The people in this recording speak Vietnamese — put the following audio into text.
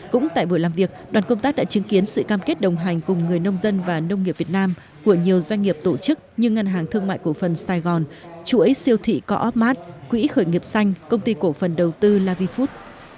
cũng tại buổi làm việc đoàn công tác đã chứng kiến sự cam kết đồng hành cùng người nông dân và nông nghiệp việt nam của nhiều doanh nghiệp tổ chức như ngân hàng thương mại cổ phần sài gòn chuỗi siêu thị co opmart quỹ khởi nghiệp xanh công ty cổ phần đầu tư lavifood